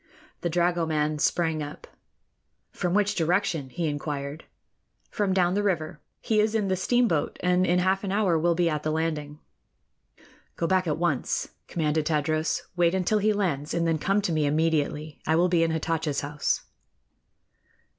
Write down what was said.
The dragoman sprang up. "From which direction?" he inquired. "From down the river. He is in the steamboat, and in half an hour will be at the landing." "Go back at once," commanded Tadros. "Wait until he lands, and then come to me immediately. I will be in Hatatcha's house."